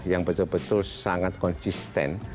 yang betul betul sangat konsisten